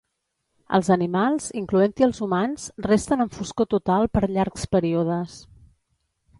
Els animals, incloent-hi els humans, resten en foscor total per llargs períodes.